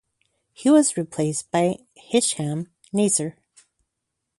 He was replaced by Hisham Nazer.